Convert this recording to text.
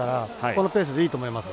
このペースでいいと思います。